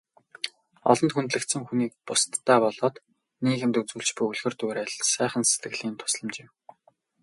Олонд хүндлэгдсэн хүний бусдадаа болоод нийгэмд үзүүлж буй үлгэр дуурайл, сайхан сэтгэлийн тусламж юм.